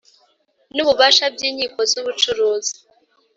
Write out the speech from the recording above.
N ububasha by inkiko z ubucuruzi